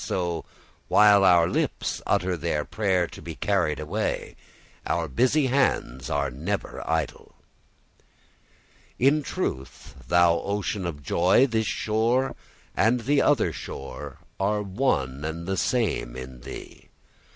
So, while our lips utter their prayer to be carried away, our busy hands are never idle. In truth, thou ocean of joy, this shore and the other shore are one and the same in thee.